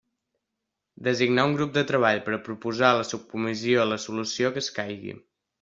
Designar un Grup de Treball per a proposar a la Subcomissió la solució que escaigui.